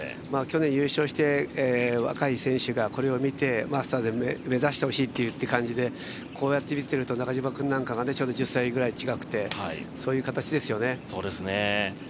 去年、優勝して若い選手がこれを見てマスターズを目指してほしいという感じでこうやって見てると中島君なんかがちょうど１０歳ぐらい違くてそういう形ですよね。